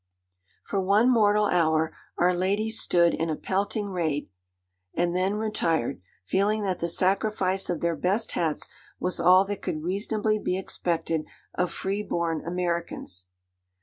For one mortal hour our ladies stood in a pelting rain, and then retired, feeling that the sacrifice of their best hats was all that could reasonably be expected of free born Americans.